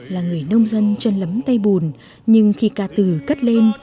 là người nông dân chân lấm tay bùn nhưng khi ca từ cất lên